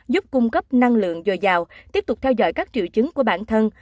giúp cung cấp năng lượng dồi dào tiếp tục theo dõi các triệu chứng của bản thân